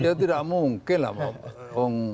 ya tidak mungkin lah